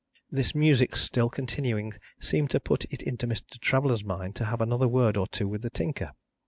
This music still continuing, seemed to put it into Mr. Traveller's mind to have another word or two with the Tinker.